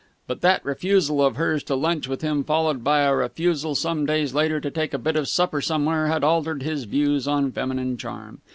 But that refusal of hers to lunch with him, followed by a refusal some days later to take a bit of supper somewhere, had altered his views on feminine charm.